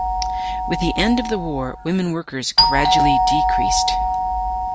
With the end of the war women workers gradually decreased.